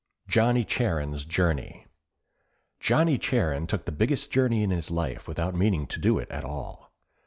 JOHN Y CHIARN'S JOURNEY John y Chiarn took the biggest journey in his life without meaning to do it at all.